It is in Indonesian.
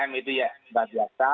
tiga m itu ya sudah biasa